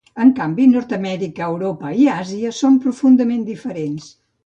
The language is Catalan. En canvi, Nord-amèrica, Europa i Àsia són profundament diferents.